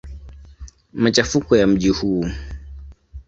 Machafuko ya mji huu.